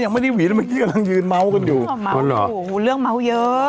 ยังไม่ได้หวีแต่เมื่อกี้กำลังยืนเมาส์กันอยู่เมาส์หูเรื่องเมาส์เยอะ